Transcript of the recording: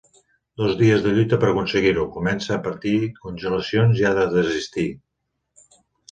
Dos dies de lluita per aconseguir-ho; comença a patir congelacions i ha de desistir.